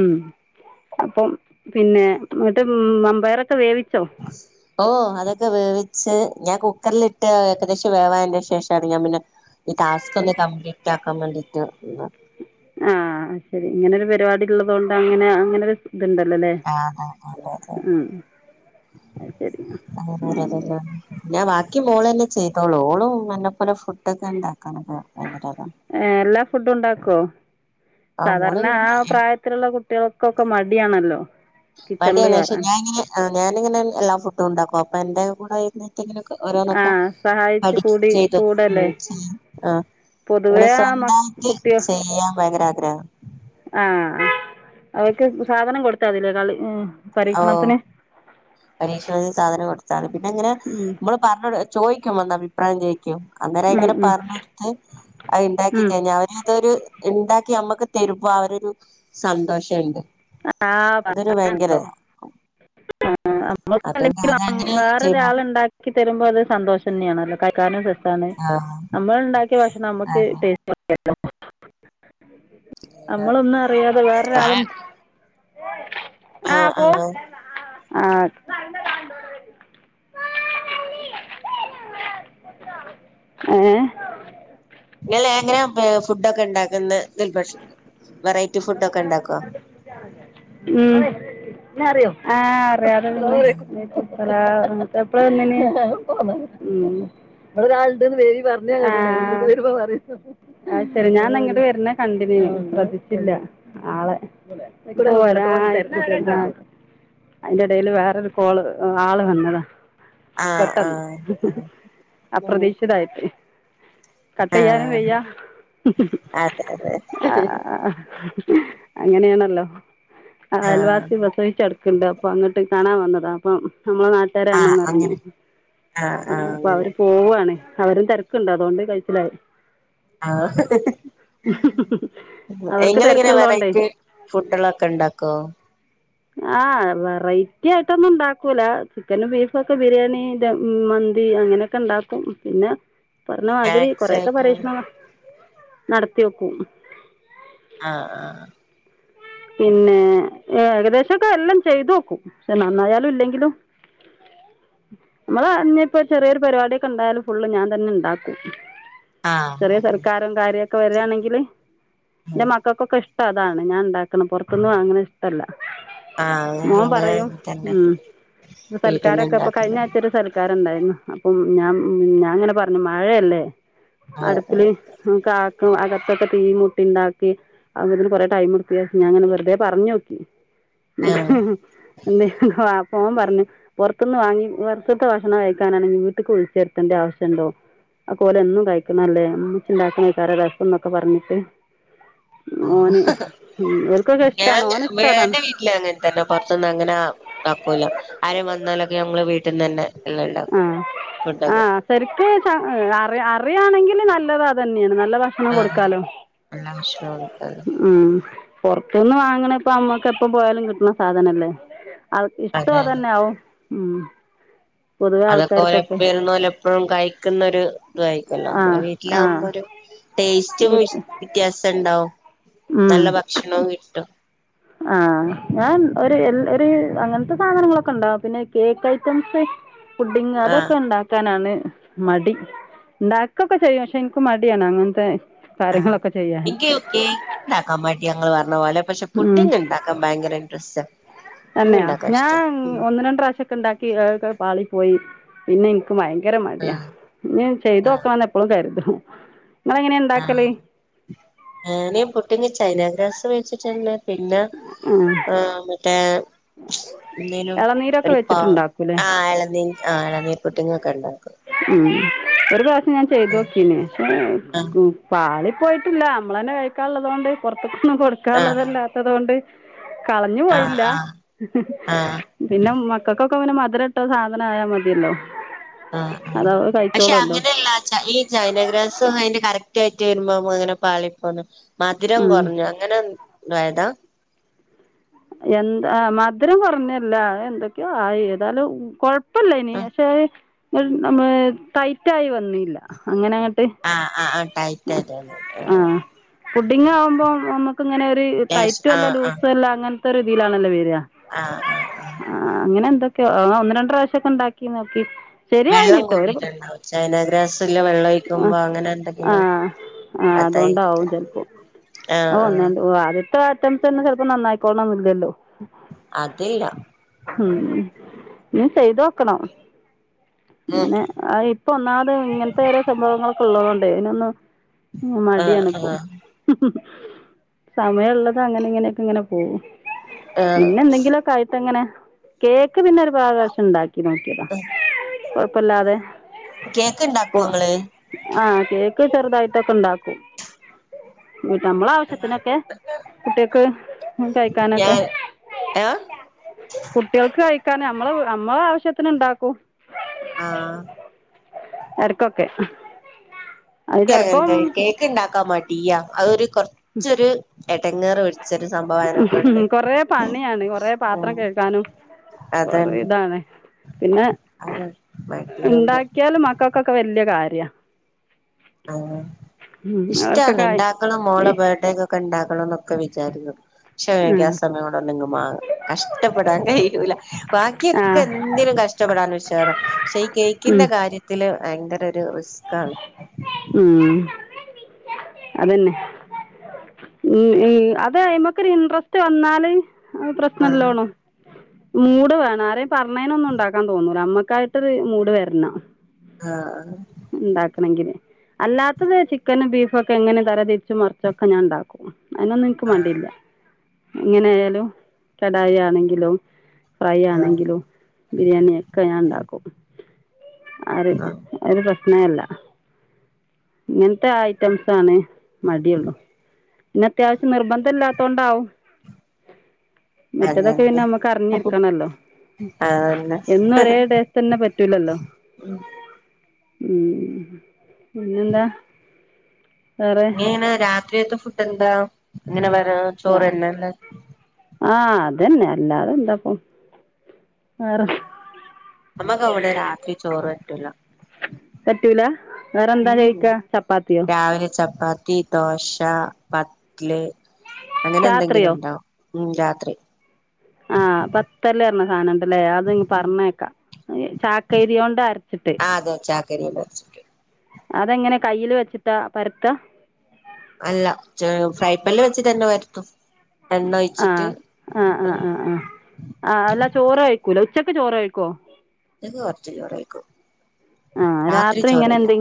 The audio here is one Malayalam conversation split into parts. ഉം അപ്പം പിന്നെ ന്നട്ട് മമ്പയറൊക്കെ വേവിച്ചോ? അസ് ഓഹ് അതൊക്കെ വേവിച്ച് ഞാൻ കുക്കറിലിട്ട് ഏകദേശം വേവാന് ശേഷാണ് ഞാൻ പിന്നെ ഈ ടാസ്കൊന്ന് കംപ്ലീറ്റ് ആക്കാൻ വേണ്ടീട്ട് ആഹ് ശെരി ഇങ്ങനൊരു പര്പാടിള്ളതോണ്ട് അങ്ങനെ അങ്ങനൊര് ഇത്ണ്ടല്ലോലേ ആ അതെ അതെ അതെ ഉം. അയ്ശെരിന്നാ ഉം. പിന്ന ബാക്കി മോളെന്നെ ചെയ്തോളൂ ഓളും ന്നെപ്പോലെ ഫുഡ്ഡൊക്കെണ്ടാക്കാനൊക്കെ ഭയങ്കരതാ ഏഹ് എല്ലാ ഫുഡ്ഡുണ്ടാക്കുവോ ആ മോള് സാധാരണ ആ പിന്നെ പ്രായ ത്ത്ല്ള്ള കുട്ട്യേൾക്കൊക്കെ മട്യാണല്ലോ. മട്യാണ് പക്ഷെ ഞാങ്ങനെ ഞാന്ങ്ങനെഎല്ലാ ഫുഡ്ഡുണ്ടാക്കും അപ്പൊ എന്റെ കൂടെ വെര്നേ ഓരോന്നൊക്കെ ആഹ് സഹായിച്ച് പഠിച്ച് കൂടി ചെയ്ത് കൂടല്ലേ ഉം ആഹ് അങ്ങനെ പൊതുവേ ആ മ സ്വന്തായിട്ട് കുട്ടിക ചെയ്യാൻ ഭയങ്കര ആഗ്രഹാ ആഹ് അവയ്ക്ക് സാധനം കൊടുത്താതില്ലേ കളി ഉം പരീഷണത്തിന് പരീക്ഷണത്തിന് സാധനം കൊടുത്താണ് പിന്നങ്ങനെ ഉം മ്മള് പറഞ്ഞൊട് ചോയിക്കും വന്നഭിപ്രായം ചോയി അന്നേരം ഉം അയ്ങ്ങനെ ഉം പറഞ്ഞൊടുത്ത് അയ് ഇണ്ടാക്കി ഉം കഴിഞ്ഞാ അവര് അതൊര് ഇണ്ടാക്കി അമ്മക്ക് തെരുമ്പാ അവരൊര് സന്തോഷണ്ട്. അതൊരു ആഹ് ഭയങ്കര [inaudible] ആഹ് അതുകൊണ്ട് അമ്മക്കല്ലെങ്കിലും അതങ്ങനെ ചെയ്യുമ്പോ വേറെരാള്ണ്ടാക്കി ണ്ടാക്കി തെരുമ്പോ അത് സന്തോഷെന്നെയാണല്ലോ കൈക്കാനും രെസ്സാണ് ആഹ് അമ്മള്ണ്ടാക്കിയ ഭക്ഷണം അമ്മക്ക് ആഹ് ടേസ് അമ്മളൊന്നും അറ്യാതെ വേറൊരാളെ ആഹ് പോ ആഹ്. ഏഹ്? ഇങ്ങ് എങ്ങനാ ഫുഡ്ഡൊക്കെണ്ടാക്ക്ന്നേ വെറൈറ്റി ഫുഡ്ഡൊക്കെണ്ടാക്കോ? ഉം ആഹ് അറ്യാതെ പിന്നെ. എപ്പളാ വന്നീനേ ഉം. ആഹ് അയ്ശെരി ഞാൻന്നാങ്ങട്ട് വെര്നേ കണ്ടിനി ശ്രദ്ധിച്ചില്ല ആളെ അയ്ക്കൂടെ പോരാ [inaudible] അയ്ന്റെ എടെല് വേറൊരു കോള് ആള് വന്നതാ ആഹ് പെട്ടെന്ന് ആഹ് അപ്രതീക്ഷിതായിട്ട്. കട്ടെയ്യാനും ആഹ് വയ്യ. അതെ അതെ ആഹ് അങ്ങനെയാണല്ലോ. ആഹ് അയൽവാസി പ്രസവിച്ചെട് ക്ക്‌ണ്ട് അപ്പ അങ്ങട്ട് കാണാൻ വന്നതാ അപ്പം നമ്മളെ നാ തരാംന്ന് ആഹ് മറഞ്ഞു അങ്ങനെ ആഹ് അപ്പ അവര് പോവാണ് അവരും തെരക്ക്‌ണ്ട് അതൊണ്ട് കൈച്ചിലായി. ആഹ് അവർക്ക് ഇങ്ങളെങ്ങനാ തിരക്കുള്ളതുകൊണ്ടേ വെറൈറ്റി ഫുഡ് കളൊക്കെണ്ടാക്കോ ആഹ് വെറൈറ്റിയായിട്ടൊന്നും ഉണ്ടാക്കൂല ചിക്കനും ബീഫും ഒക്കെ ബിരിയാണിന്റെ മന്തി അങ്ങനെ ക്കെണ്ടാക്കും പിന്നെ പറഞ്ഞ മാതിരി സ്നാക്സ് കൊറേക്കെ ആയിട്ട് പരീക്ഷണ നടത്തി ഓക്കും ആഹ് ആഹ് പിന്നെ ഏകദേശക്കെ എല്ലാം ചെയ്തോക്കും പഷേ നന്നായാലും ഇല്ലെങ്കിലും നമ്മള് ഞ്ഞി പ്പ ചെറിയൊര് പരിപാടിയൊക്കെണ്ടായാലും ഫുള്ള് ഞാൻ തന്നെണ്ടാക്കും ആഹ് ചെറിയ ആഹ് സൽക്കാരം കാര്യക്കെ വരുവാണങ്കില് ന്റെ ആഹ് മക്കക്കൊക്കെ ഇഷ്ട്ടം അതാണ് ഞാൻ ണ്ടാ ക്കണം പൊറത്തുന്ന് വാങ്ങണഇഷ്ട്ടല്ല ആഹ് മോൻ ഞങ്ങള് പറയും അങ്ങനെ തന്നെ ഉം വീട്ടിൽന്ന് സൽക്കാരൊക്കെ പ്പ ഉണ്ടാക്കുന്നത് കഴ്ഞ്ഞാഴ്ച്ചഒര് സൽ സൽക്കാരണ്ടാര്ന്നു. അപ്പം ഞാൻ ഞാൻ ങ്ങനെ പറഞ്ഞു മഴയല്ലേ ആഹ് അടുപ്പില് കാക്കും അകത്തൊക്കെ തീ കൂട്ടിണ്ടാക്കി അപ്പത്തേന് കൊറേ ടൈം എട് ക്ക് ഞാൻങ്ങനെ വെറുതെ പറഞ്ഞോക്കി ആഹ് എന്തേ അപ്പ ഓൻ പറഞ്ഞു പൊറത്തുന്ന് വാങ്ങി പൊറത്തത്തെ ഭക്ഷണം കഴിക്കാനാണെങ്കി വീട്ട്ക്ക് വിളിച്ച് വര്ത്തണ്ട ആവശ്യണ്ടോ അക്കൊല് എന്നും കഴിക്കണല്ലേ മ്മച്ചിണ്ടാക്കണെക്കാരം രസം എന്നൊക്കെ പറഞ്ട്ട് ആ ഹ ഹ ഉം ഇവർക്കൊക്കെ ഇഷ്ട്ടാണ് ഓന് ഇഷ്ട്ടം ആണോ വീട്ടില് അങ്ങനെത്തന്നെ പൊറത്തുന്നങ്ങനെ ആ ആക്കൂല ആരും വന്നാലൊക്കെ ഞങ്ങള് വീട്ടീന്നന്നെ ആഹ് ആഹ് സെരിക്ക് സ അറിയ അറിയാണങ്കില് നല്ലത് അതന്നെയാണ് നല്ല ഭഷ ക്ഷണം ആഹ് കൊടുക്കാലോ എല്ലാം ഭക്ഷണം കൊടുക്കാലോ ഉം പൊറത്തുന്ന് വാങ്ങണയിപ്പ അമ്മക്ക് എപ്പപോയാലും കിട്ട്ണ സാധനല്ലേ അ ഇഷ്ട്ടം അതാണ് അതന്നെയാവും ഉം പൊതുവെ അതൊക്കെ ആൾക്കാർക്കൊക്കെ ഓലപ്പഴും ഇരുന്നോലെപ്പഴും കഴിക്ക്‌ന്ന ഒര് തായിരിക്കുവല്ലോ ആ ബ്ടെ ആ വീട്ടിലാകുമ്പോ ഒര് ടേസ്റ്റും വി വിത്യാസണ്ടാവും ഉം ഷ്ണോം കിട്ടും ആഹ് ഞാൻ ഒര് എൽ ഒര് അങ്ങനത്തെ സാധനങ്ങളൊക്കെണ്ടാവ് പിന്നെ കേക്ക് ഐറ്റംസ് പുഡിങ് ആഹ് അതൊക്കെണ്ടാ ക്കാനാണ് മടി ണ്ടാക്കൊക്കെചെയ്യും പക്ഷെ ഇൻക്ക് മടിയാണ് അങ്ങനത്തെ ആഹ് കാര്യങ്ങളൊക്കെ ചെയ്യാൻ ഇൻക്ക് കേക്ക്ണ്ടാക്കാൻ മടിയാ ഇങ്ങള് പറഞ്ഞപോലെ പക്ഷെ ഉം പുഡിങ്ങിണ്ടാ ക്കാ ഭയങ്കര ഇട്രസ്റ്റാ തന്നെയാ ഞാൻ ഒന്ന് രണ്ട് പ്രാവശ്യക്കെണ്ടാക്കി അതൊക്കെ പാളിപോയി പിന്നെ ഇൻക്ക് ഭയങ്കര മടിയാ ആഹ് ഞ്ഞി ആഹ് ചെയ്തോക്കണംന്ന് എപ്പളും കരുതും നിങ്ങളെങ്ങനെയാ ആഹ് ഉണ്ടാക്കല് ഞാന് പുഡിങ്ങ് ചൈനാഗ്രാസ് മേടിച്ചിട്ടൊണ്ട് പിന്നെ ആ ആഹ് മറ്റേ എന്തേനു ഇളനീരൊക്കെ ഒര് പ വെച്ചിട്ടുണ്ടാക്കൂല്ലേ ആഹ് എളനീ ആഹ് എളനീർപുഡിങ്ങൊക്കെണ്ടാക്കും. ഉം ഒര് പ്രാവ്ശം ഞാൻ ചെയ്തൊക്കീനേ ഷേ ആഹ് കു പാളി പോയിട്ടില്ല നമ്മളതന്നെ കഴിക്കാള്ളത്കൊണ്ട് പുറത്ത്ക്കൊന്നും ആഹ് കൊടുക്കാൻള്ളതല്ലാത്തതൊണ്ട് കളഞ്ഞു ആഹ് പോയില്ല ആഹ് ആഹ് പിന്നെ മക്കൾക്കൊക്കെ ഇങ്ങനെ മധുരംട്ട സാധനം ആയാ മതിയല്ലോ ആഹ് ആഹ് അത് അവർ പക്ഷെ കഴിച്ചോളുമല്ലോ അങ്ങനെയല്ലാച്ച ഈ ചൈനഗ്രാസും അതിന്റെ കറക്റ്റ് ആയിട്ട് വരുമ്പോ അങ്ങനെ പാളിപ്പോന്നു മധുരം ഉം കുറഞ്ഞു അങ്ങനെ തായതാ എന്താ മധുരം കുറഞ്ഞല്ല എന്തൊക്കെയോ ആയി ഏതാലും കൊഴ ഇപ്പല്ല ഇനി പക്ഷെ [unintelligible] ടൈറ്റായി വന്നില്ല അങ്ങനെ അങ്ങട്ട് ആഹ് ആഹ് ആഹ് ടൈറ്റ് ആയിട്ട് വന്നില്ല ആഹ് പുഡിങ് ആവുമ്പോ നമുക്ക് ഇങ്ങനെ ഒരു ലേശം ടൈറ്റുമല്ല ആഹ് ആഹ് ലൂസുമല്ല അങ്ങന [unintelligible] രീതിയിലാണല്ലേ വരുക ആഹ് ആഹ് ആഹ് ആഹ് അങ്ങനെ എന്തൊക്കെയോ, ഒന്ന് രണ്ട് പ്രാവശ്യം ക്കെ ഉണ്ടാക്കി നോക്കി വെള്ളം ശരിയായിനിട്ടോ ഒരു കൂടിയിട്ടുണ്ടാവും, ചൈനാഗ്രാസില് വെള്ളം ആഹ് ഒഴിക്കുമ്പോ അങ്ങനെ എന്തെങ്കിലും ആഹ് ആഹ് അതുകൊണ്ടാവും അതായിരിക്കും ചിലപ്പോ. [unintelligible] ആഹ് ആഹ് [unintelligible] തന്നെ ചിലപ്പോ നന്നായിക്കോള്ളണം എന്നില്ലല്ലോ അതില്ല ഉം ഇനീം ചെയ്തോക്കണം ഉം ഇങ്ങനെ ആഹ് ഇപ്പൊ ഒന്നാമത് ഇങ്ങനത്തെ ഓരോ സംഭവങ്ങളൊക്കെ ഉള്ളത് കൊണ്ടേ ഇതിനൊന്നും ഉം ആഹ് മടിയാണ് ഇപ്പോ, ആഹ് സമയമുള്ളത് അങ്ങനെ ഇങ്ങനെയൊക്കെ ഇങ്ങനെ പോകും. ആഹ് പിന്നെ എന്തെങ്കിലുമൊക്കെ ആയിട്ടിങ്ങനെ. കേക്ക് പിന്നെ ഒരു പ്രാവശ്യം ഉണ്ടാക്കി. [unintelligible] കൊഴപ്പില്ലാതെ കേക്ക് ഉണ്ടാക്കുവോ നിങ്ങള് ആഹ് കേക്ക് ചെറുതായിട്ടൊക്കെ ഉണ്ടാക്കും നമ്മള ആവശ്യത്തിനൊക്കെ കുട്ടികൾക്ക് കഴിക്കാനൊക്കെ ഞാൻ ഏഹ് കുട്ടികൾക്ക് കഴിക്കാന്, നമ്മള് നമ്മള ആവശ്യത്തിന് ഉണ്ടാക്കും ആഹ് എടക്കൊക്കെ എനിക്ക് [unintelligible] കേക്ക് ഉണ്ടാക്കാൻ മടിയാ. അതൊരു കുറച്ചൊരു എടങ്ങേറ് പിടി കൊറെ പണിയാണ്, കൊറെ പാത്രം കഴ്കാനും കൊറെ അതന്നെ ഇതാണ്. പിന്നെ അവര് മടിയോണ്ട് ഉണ്ടാക്കിയാല് മ മക്കൾക്കൊക്കെ വലിയ കാര്യാ ആഹ്. ഉം ഇഷ്ടാണ് അവർക്കൊക്കെ ഉണ്ടാക്കണം ഏ മോളെ ബേർഡേക്ക ക്ക ഉണ്ടാക്കണം എന്നൊക്കെ വിചാരിക്കും, പക്ഷേ എങ്കിൽ ആ സമയ [unintelligible] കഷ്ടപ്പെടാൻ കഴിയൂല, ആ ആ ബാക്കിയൊക്കെ എന്തേലും കഷ്ടപ്പെടാൻ ഉഷാറാ പക്ഷെ ഈ ഉം കേക്കിൻ്റെ കാര്യത്തില് ഭയങ്കര ഒരു റിസ്ക്കാണ് ആഹ് അതന്നെ. ഉം ഈ അത് അതിമ്മേക്ക് ഒരു ഇൻട്രസ്റ്റ് വന്നാല് പ്രശ്നം. ആഹ് [unintelligible] മൂട് വേണം. ആരേലും പറഞ്ഞേനൊന്നും ഉണ്ടാക്കാൻ തോന്നൂല, ഞമ്മക്കായിട്ട് ട്ട് ഒരു മൂട് വരണം. ആഹ് ആഹ് ഉണ്ടാക്കണെങ്കില്. അല്ലാത്തത് ചിക്കനും ബീഫും ഒക്കെ എങ്ങനേം തരം തിരിച്ചും മറിച്ചും ഒക്കെ ഞാൻ ഉണ്ടാക്കും. അതിനൊന്നും എനിക്ക് ആഹ് മടിയില്ല. എങ്ങനെ ആയാലും കടായി ആണെങ്കിലും ഫ്രൈ ആഹ് ആണെങ്കിലും ബിരിയാണി ഒക്കെ ഞാൻ ഉണ്ടാക്കും, ആര് ആഹ് അതൊരു പ്രശ്നേ അല്ല ഇങ്ങനത്തെ ഐറ്റംസ് ആണ് മടിയുള്ളു പിന്നെ അത്യാവശ്യം നിർബന്ധം ഇല്ലാത്തോണ്ടാവും മറ്റേതൊക്കെ അതന്നെ പിന്നെ നമ്ക്ക് അറിഞ്ഞിരിക്കണല്ലോ അതന്നെ എന്നും ഒരേ ടേസ്റ്റ് തന്നെ പറ്റൂലല്ലോ ഉം ഉം പിന്നെന്താ ഇനി വേറെ എങ്ങനാ രാത്രിയത്തെ ഫുഡ് എന്താ ഇങ്ങനെ വരാ ചോറ് തന്നല്ലേ ആഹ് അതന്നെ അല്ലാതെ എന്താപ്പൊ വേറെ അമ്മക്ക് അവിടെ രാത്രി ചോറ് പറ്റൂലാ പറ്റൂല വേറെന്താ കഴിക്കാ [unintelligible] ചപ്പാത്തിയോ രാവിലെ ചപ്പാ ത്തി ദോശ പത്ത്ല് അങ്ങനെ എന്തെങ്കിലും രാത്രിയോ ഉണ്ടാവും ഉം രാത്രി ആഹ് പത്തല് പറഞ്ഞ സാധന [unintelligible] അത്ങ്ങ് ഉം പറഞ്ഞേക്കാം ചാക്കരിയോണ്ട് അരച്ചിട്ട് ആ അതെ ചാക്കരിയില വെച്ചിട്ട് അതെങ്ങനാ കയ്യില് വെച്ചിട്ടാ പരത്താ അല്ല ചെ ഫ്രൈ പാനില് വെചിട്ട് തന്നെ പരത്തും ആഹ് ആഹ് ആഹ് ആഹ് ആഹ് ആഹ് അല്ല ചോറ് കഴിക്കൂല ഉച്ചക്ക് ചോറ് കഴിക്കോ ഉച്ചക്ക് കൊറച്ച് ചോറ് കഴിക്കും ആഹ് രാത്രി ഇങ്ങനെ എന്തെ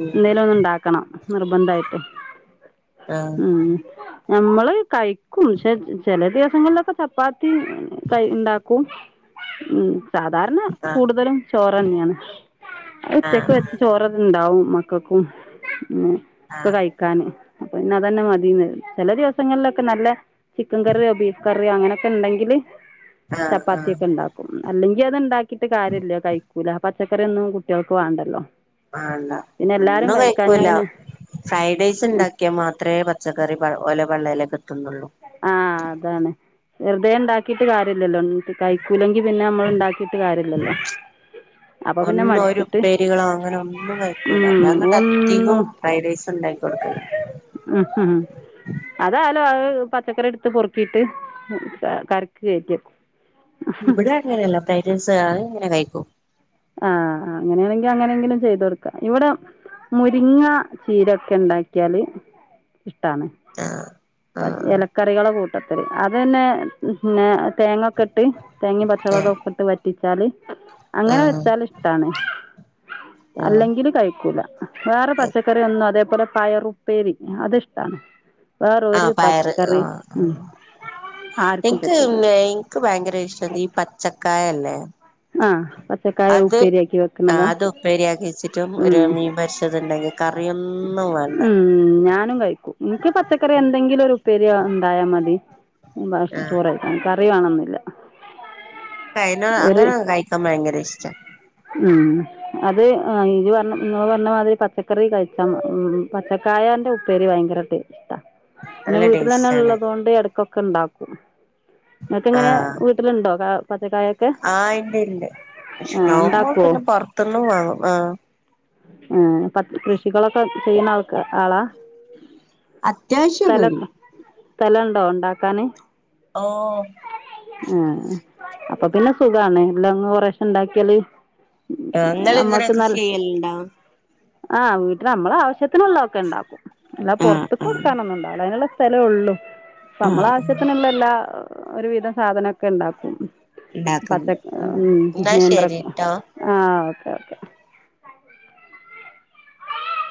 ഉം എന്തേലും ഒന്ന് ഉണ്ടാക്കണം നിർബന്ധായിട്ട് ആ ഉം നമ്മള് കഴിക്കും പക്ഷെ ചെല ദിവസങ്ങളിലൊക്കെ ചപ്പാത്തി കൈ ഉണ്ടാക്കും ഉം സാധാരണ കൂടുതലും ചോറ് തന്നെയാണ് അത് ആ ഉച്ചക്ക് വെച്ച ചോറത് ഇണ്ടാവും മക്കക്കും പിന്നെ ആ ഒക്കെ ആ കഴി ക്കാന് അപ്പൊ ഇന്ന് അതന്ന മതീന്ന് ചെല ദിവസങ്ങളിലൊക്കെ നല്ല ചിക്കൻ കറിയോ ബീഫ് കറിയോ അങ്ങനെയൊക്കെ ഇണ്ടെങ്കില് ആ ആ ചപ്പാത്തിയെക്കെ ഇണ്ടാക്കും അല്ലെങ്കി അത് ഉണ്ടാക്കിട്ട് കാര്യല്ല കഴിക്കൂല പച്ചക്കറിയൊന്നും കുട്ട്യൾക്ക് വേണ്ടല്ലോ വേണ്ടാ പിന്നെ എല്ലാരും ഒന്നും കഴിക്കാഞ്ഞാ കഴിക്കൂല പിന്നെ ഫ്രൈഡ് റൈസ് ആ ഉണ്ടാക്കിയാൽ മാത്രേ പച്ചക്കറി പ ഓലെ പള്ളേലേക്ക് എത്തുന്നുള്ളൂ ആഹ് അതാണ് വെറുതെ ഇണ്ടാക്കിട്ട് കാര്യല്ലല്ലോ ഉൻ കയിക്കൂലങ്കി പിന്നെ അമ്മള് ഇണ്ടാക്കീട്ട് കാര്യല്ലല്ലോ അപ്പൊ പിന്നെ ഒന്നും ഒരു മടിച്ചിട്ട് ഉപ്പേരികളോ അങ്ങനെ ഒന്നും കയ്ക്കൂല ഉം ഞാൻ എന്നിട്ട് അധികോം ഒന്നും ഫ്രൈഡ് റൈസ് ഉണ്ടാക്കി കൊടുക്കലാ മ്ഹ് ഹ് അതാലോ അത് പച്ചക്കറി എടുത്ത് പൊറുക്കീട്ട് കറിക്കു കഴിക്കും ഇവിടെ അങ്ങനെയല്ല ഫ്രൈഡ്റൈസ് അത് അങ്ങനെ കഴിക്കും ആഹ് ആഹ് അങ്ങനെയാണെങ്കിൽ അങ്ങനയെങ്കിലും ചെയ്ത് കൊടുക്കാം ഇവിട മുരിങ്ങാ ചീരൊക്കെണ്ടാക്കിയാല് ഇഷ്ടാണ് ആ ആ പ ഇലക്കറികള് കൂ [unintelligible] അതന്നെ പിന്നെ തേങ്ങൊക്കെ ഇട്ട് തേങ്ങയും ആ പച്ചമൊളകൊക്കെ ഇട്ട് വ റ്റിച്ചാല് ആ അങ്ങനെ വെച്ചാല് ഇഷ്ടാണ് ആ അല്ലെങ്കില് കഴിക്കൂല വേറെ പച്ചക്കറി ഒന്നും അതേ പോലെ പയറുപ്പേരി അത്ഷ്ടാണ് ആഹ് പയറ് ആഹ് ആർക്കും ഏക്ക് പറ്റില്ല എക്ക് ഭയങ്കര ഇഷ്ട ഈ പച്ചക്കായ ഇല്ലേ ആഹ് പ അത് അത് ഉപ്പേരിയാക്കി വെച്ചിട്ടും ഒരു ഉം മീൻ പൊരിച്ചത് ഉണ്ടെങ്കി ഉം ഞാനും കഴിക്കും എനിക്ക് പച്ചക്കറി എന്തെങ്കിലും ഒരു ഉപ്പേരി ഉണ്ടായാ മതി [unintelligible] ആ ചോറായി കറി വേണന്നില്ല [unintelligible] അങ്ങനെ കഴിക്കാൻ ഭയങ്കര ഇഷ്ടാ ഉം അത് ഇജ്ജ് പറഞ്ഞ ഇങ്ങള് പറഞ്ഞ മാതിരി പച്ചക്കറി കഴിച്ചാ മ്ഹ് പച്ചക്കായന്റെ ഉപ്പേരി ഭയങ്കരട്ട് പിന്നെ നല്ല വീട്ടിൽ തന്നെ ടേസ്റ്റ് ആണ് ഉള്ളത് കൊണ്ട് ഇടക്കൊക്കെ ഉണ്ടാക്കും ഇങ്ങക്ക് ഇങ്ങനെ ആഹ് വീട്ടിലുണ്ടോ പച്ചക്കായൊക്കെ ആഹ് ഇണ്ട് ഇണ്ട് പക്ഷെ ആഹ് ഞാൻ ഉണ്ടാക്കുവോ പിന്നെ പൊറത്തു നിന്നും വാങ്ങും ആ് ആഹ പച്ചാ കൃഷികളൊക്കെ ചെയ്യുന്ന ആൾക്ക ആളാ അത്യാവശ്യ ക്കെണ്ട് സ്ഥലണ്ടോ ഇണ്ടാക്കാന് ഓ ഏ അപ്പം പിന്നെ സുഖാണ് എല്ലങ്ങ് കൊറേശെണ്ടാക്കിയാല് അഹ ഇങ്ങള് ഇങ്ങനെ കൃഷി ചെയ്യല്ണ്ടോ ആഹ് വീട്ടില് നമ്മളെ ആവശ്യത്തിനുള്ളതൊക്കെണ്ടാക്കും അല്ലാതെ ആഹ് പൊറത്ത് ആഹ് ന്നുണ്ടാവൂല അയ്ന്ള്ള സ്ഥലേ ഒള്ളൂ അപ്പം ആഹ് നമ്മളാവശ്യത്തിന്ള്ള ല്ല ഒരു വിധം സാധനൊക്കെണ്ടാക്കും പച്ച ഉണ്ടാക്കുന്നു ഉം ഉ എന്നാ നേന്ത്ര ശരിട്ടോ ആഹ ഓക്കെ ഓക്കെ